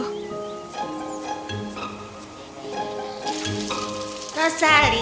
rosali kau gadis yang baik